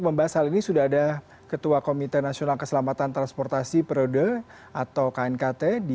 membahas hal ini sudah ada ketua komite nasional keselamatan transportasi periode atau knkt di